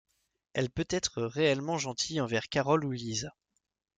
Elle peut être réellement gentille envers Carole ou Lisa.